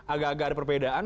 agak agak ada perbedaan